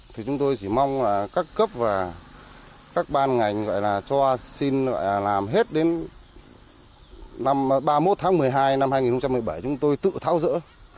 thì chúng tôi chỉ mong là các cấp và các ban ngành gọi là cho xin làm hết đến ba mươi một tháng một mươi hai năm hai nghìn một mươi bảy chúng tôi tự tháo rỡ